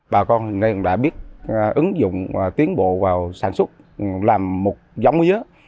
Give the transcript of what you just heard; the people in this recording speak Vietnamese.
bà con nên đã biết ứng dụng tiến bộ vào sản xuất làm một giống mía